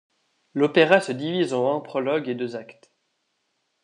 L'opéra se divise en un prologue et deux actes.